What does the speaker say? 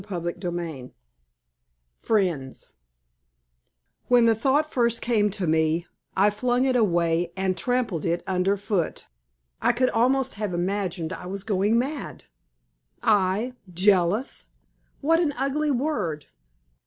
CHAPTER XVIII FRIENDS When the thought first came to me I flung it away and trampled it under foot, I could almost have imagined I was going mad. I, jealous! What an ugly word!